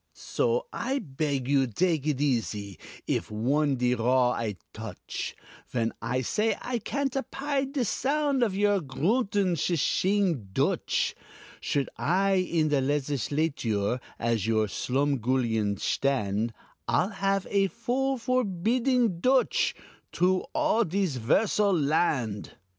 "So I beg you dake it easy If on de raw I touch, Vhen I say I can't apide de sound Of your groontin, shi shing Dutch. Should I in the Legisladure As your slumgullion shtand, I'll have a bill forbidding Dutch Troo all dis 'versal land.